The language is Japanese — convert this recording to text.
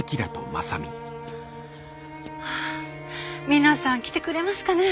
皆さん来てくれますかね。